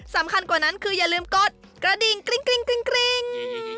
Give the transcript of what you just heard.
สำคัญกว่านั้นคืออย่าลืมกดกระดิ่งกริ้ง